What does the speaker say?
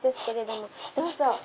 どうぞ。